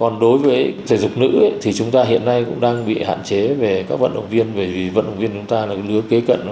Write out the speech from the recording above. có nhiều thách nhưng thể dục dụng cụ việt nam đang trở thành một niềm hy vọng huy chương cho đoàn thể thao việt nam tại sea games sắp tới